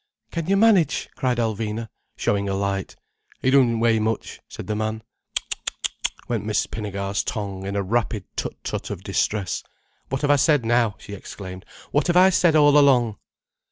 "Can you manage?" cried Alvina, showing a light. "He doesn't weigh much," said the man. "Tu tu tu tu tu tu tu!" went Miss Pinnegar's tongue, in a rapid tut tut of distress. "What have I said, now," she exclaimed. "What have I said all along?"